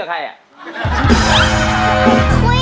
หาร้องหน่อย